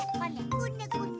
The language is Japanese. こねこね。